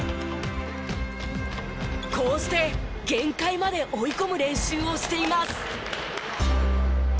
こうして限界まで追い込む練習をしています。